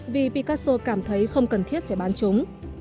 vì picaso cảm thấy không cần thiết phải bán chúng